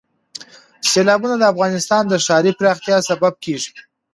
سیلابونه د افغانستان د ښاري پراختیا سبب کېږي.